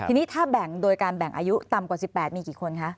ทีนี้ถ้าแบ่งโดยการแบ่งอายุต่ำกว่า๑๘มีกี่คนคะ